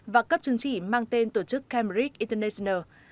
và cấp chứng chỉ mang tên tổ chức camrike international